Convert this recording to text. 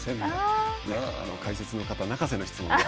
解説の方泣かせの質問で。